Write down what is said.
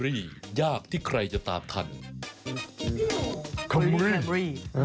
โอลี่คัมรี่ยากที่ใครจะตามทันโอลี่คัมรี่ยากที่ใครจะตามทัน